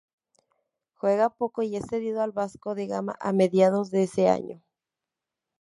Juega poco y es cedido al Vasco da Gama a mediados de ese año.